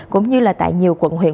cũng như là tại nhiều quận huyện